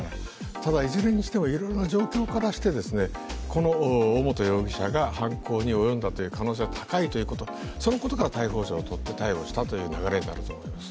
ただいずれにしてもいろいろな状況からして、尾本容疑者が犯行に及んだという可能性は高いということ、そのことから逮捕状を取って逮捕したという流れになっています。